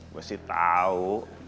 gue sih tau